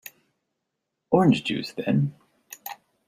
Orange juice, then.